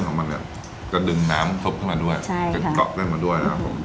ของมันเนี่ยจะดึงน้ำซุปเข้ามาด้วยใช่จะเกาะเส้นมาด้วยนะครับผม